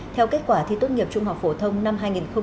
theo kết quả thi tốt nghiệp trung học phổ thông năm hai nghìn hai mươi